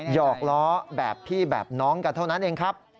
หอกล้อแบบพี่แบบน้องกันเท่านั้นเองครับ